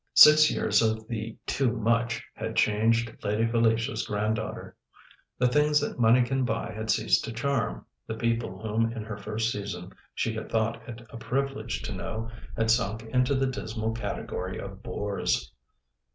Six years of the "too much" had changed Lady Felicia's granddaughter. The things that money can buy had ceased to charm; the people whom in her first season she had thought it a privilege to know had sunk into the dismal category of bores.